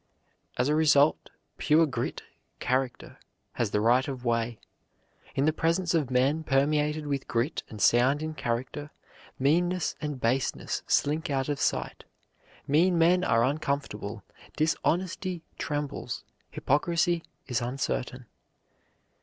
As a rule, pure grit, character, has the right of way. In the presence of men permeated with grit and sound in character, meanness and baseness slink out of sight. Mean men are uncomfortable, dishonesty trembles, hypocrisy is uncertain.